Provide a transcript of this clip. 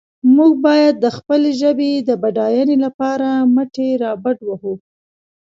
موږ باید د خپلې ژبې د بډاینې لپاره مټې رابډ وهو.